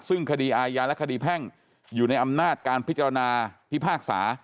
ซึ่งคดีอาญาและคดีแพ่งอยู่ในอำนาจการพิจารณาพิพากษา